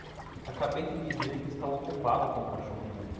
Acabei de dizer que estava ocupado com o cachorrinho.